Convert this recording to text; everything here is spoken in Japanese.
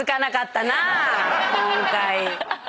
今回。